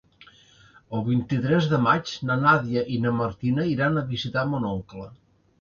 El vint-i-tres de maig na Nàdia i na Martina iran a visitar mon oncle.